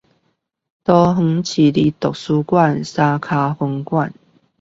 桃園市立圖書館山腳分館